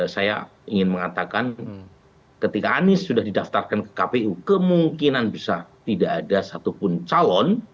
saya ingin mengatakan ketika anies sudah didaftarkan ke kpu kemungkinan bisa tidak ada satupun calon